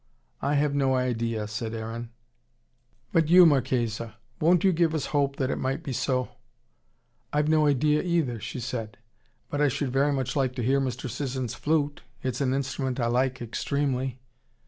"I have no idea," said Aaron. "But you, Marchesa. Won't you give us hope that it might be so?" "I've no idea, either," said she. "But I should very much like to hear Mr. Sisson's flute. It's an instrument I like extremely."